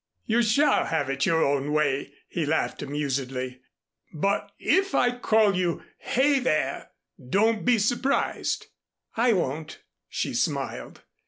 "You shall have your own way," he laughed amusedly, "but if I call you 'Hey, there,' don't be surprised." "I won't," she smiled.